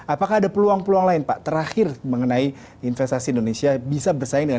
apakah ada peluang peluang lain pak terakhir mengenai investasi indonesia bisa bersaing dengan